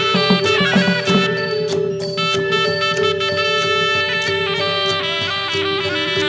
โปรดติดตามต่อไป